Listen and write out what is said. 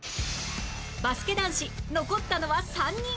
バスケ男子残ったのは３人